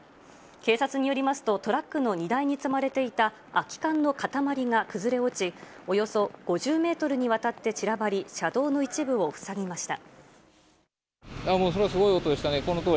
警察によりますとトラックの荷台に積まれていた空き缶の塊が崩れ落ちおよそ５０ｍにわたって散らばり車道の一部を塞ぎました。